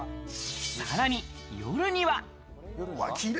さらに夜には。